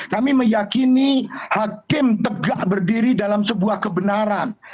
kami meyakini hakim tegak berdiri dalam sebuah kebenaran